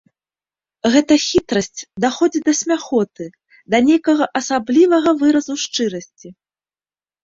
Гэта хітрасць даходзіць да смяхоты, да нейкага асаблівага выразу шчырасці.